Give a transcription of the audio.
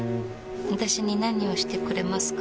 私に何をしてくれますか？